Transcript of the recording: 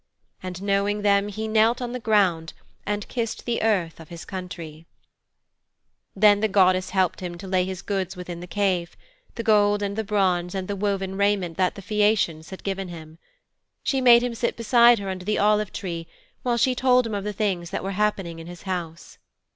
And knowing them he knelt down on the ground and kissed the earth of his country. Then the goddess helped him to lay his goods within the cave the gold and the bronze and the woven raiment that the Phæacians had given him. She made him sit beside her under the olive tree while she told him of the things that were happening in his house.